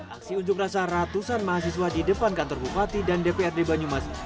aksi unjuk rasa ratusan mahasiswa di depan kantor bupati dan dprd banyumas